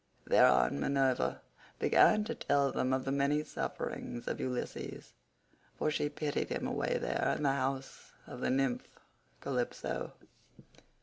Thereon Minerva began to tell them of the many sufferings of Ulysses, for she pitied him away there in the house of the nymph Calypso.